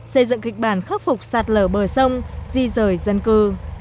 xây dựng kịch bản khắc phục sạt lở bờ sông di rời dân cư